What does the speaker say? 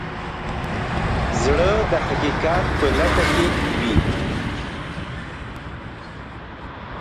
زړه د حقیقت په لټه کې وي.